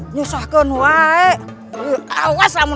ini akan hari baru